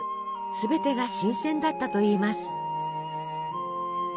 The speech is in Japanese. すべてが新鮮だったといいます。